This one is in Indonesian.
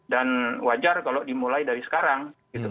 dan wajar kalau dimulai dari sekarang